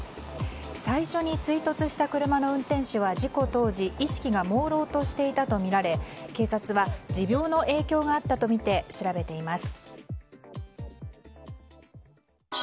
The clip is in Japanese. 最初に追突した車の運転手は事故当時意識がもうろうとしていたとみられ警察は、持病の影響があったとみて調べています。